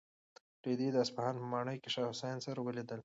رېدي د اصفهان په ماڼۍ کې د شاه حسین سره ولیدل.